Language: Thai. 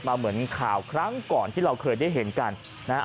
เหมือนข่าวครั้งก่อนที่เราเคยได้เห็นกันนะฮะ